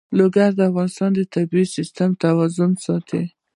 لوگر د افغانستان د طبعي سیسټم توازن ساتي.